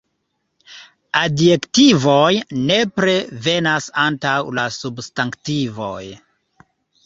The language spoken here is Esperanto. Adjektivoj nepre venas antaŭ la substantivoj.